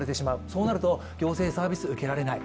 そうなると行政サービスが受けられない。